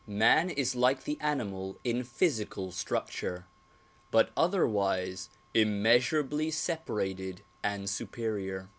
INIan is like the animal in physical structure but otherwise immeasurably separated and superior.